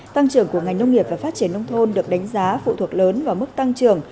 tăng trưởng của ngành nông nghiệp và phát triển nông thôn được đánh giá phụ thuộc lớn vào mức tăng trưởng